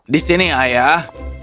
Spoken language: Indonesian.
di sini ayah